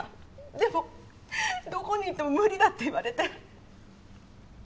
でもどこに行っても無理だって言われて。